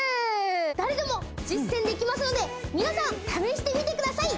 誰でも実践できますので皆さん試してみてください